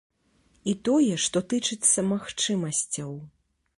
І тое, што тычыцца магчымасцяў.